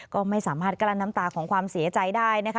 ก็ไม่สามารถกลั้นน้ำตาของความเสียใจได้นะคะ